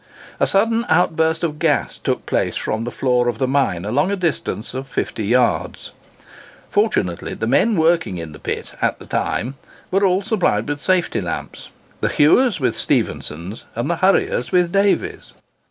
A sudden outburst of gas took place from the floor of the mine, along a distance of fifty yards. Fortunately the men working in the pit at the time were all supplied with safety lamps—the hewers with Stephenson's, and the hurriers with Davy's.